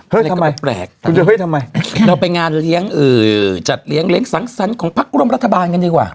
เฮ้ยทำไมก็แปลกเราไปงานเลี้ยงเอ่อจัดเลี้ยงเลี้ยงสังสรรค์ของพักร่วมรัฐบาลกันดีกว่า